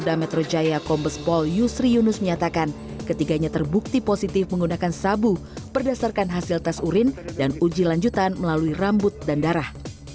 dalam penggeredahan awal di gelar kami siang kabit humas polda metro jaya kombes pol yusri yunus menyatakan ketiganya terbukti positif menggunakan sabu berdasarkan hasil tes urin dan uji lanjutan melalui rambut dan darah